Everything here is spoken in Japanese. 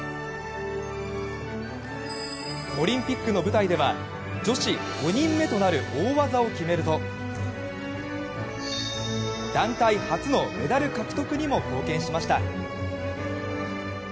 オリンピックの舞台では女子５人目となる大技を決めると団体初のメダル獲得にも貢献しました。